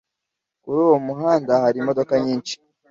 Kuri uwo muhanda hari imodoka nyinshi.